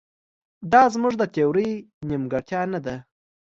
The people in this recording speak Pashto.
دا زموږ د تیورۍ نیمګړتیا نه ده.